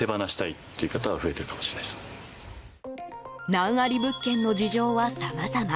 難あり物件の事情はさまざま。